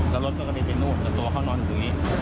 แล้วรถก็กระเด็นไปนู่นแต่ตัวเขานอนอยู่ตรงนี้